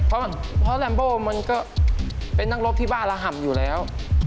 เพราะแรมโบมันก็เป็นนักรบที่บ้าระห่ำอยู่แล้ว